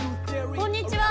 こんにちは。